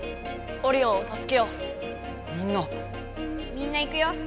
みんな行くよ。